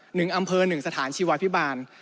หนึ่งอำเภอหนึ่งสถานชีวาพิบาล